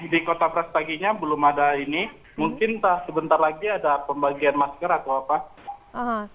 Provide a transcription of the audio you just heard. di kota prastaginya belum ada ini mungkin entah sebentar lagi ada pembagian masker atau apa